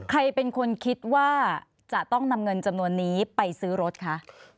ใครเป็นคนคิดว่าจะต้องนำเงินจำนวนนี้ไปซื้อรถคะ